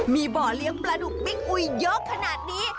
มีบ่อเลี้ยงปลาดุกบิ๊กอุยเยอะขนาดนี้